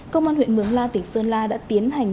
công an huyện mường la tỉnh sơn la đã tiến hành